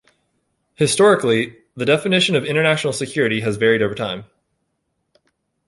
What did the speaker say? Historically, the definition of international security has varied over time.